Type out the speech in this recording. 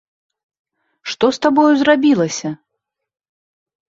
Што з табою зрабілася?